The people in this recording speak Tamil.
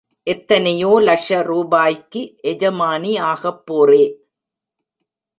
எத்தனையோ லக்ஷ ரூபாய்க்கு எஜமானி ஆகப்போறே.